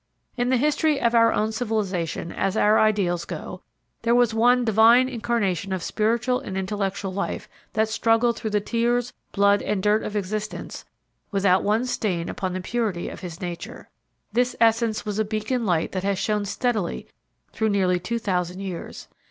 In the history of our own civilization, as our ideals go, there was one divine incarnation of spiritual and intellectual life that struggled through the tears, blood and dirt of existence without one stain upon the purity of his nature. This essence was a beacon light that has shone steadily through nearly two thousand years.